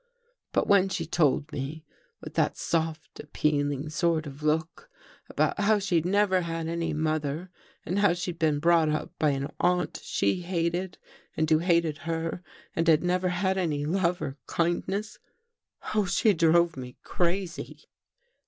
But when she told me, with^ that soft, appealing sort of look, about how she'd never had any mother and how she'd been brought up by an aunt she hated | and who hated her, and had never had any love or ] kindness ... Oh, she drove me crazy!"